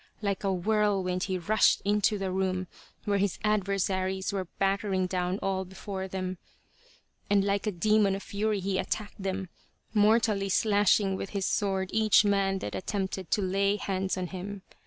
Like a whirlwind he rushed into the room where his adversaries were battering down all before them, and like a demon of fury he attacked them, mortally slashing with his sword each man that attempted to lay hands on him.